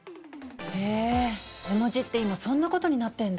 へえ絵文字って今そんなことになってんだ。